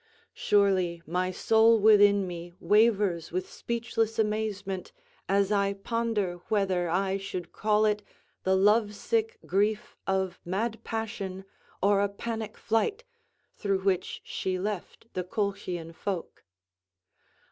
Surely my soul within me wavers with speechless amazement as I ponder whether I should call it the lovesick grief of mad passion or a panic flight, through which she left the Colchian folk.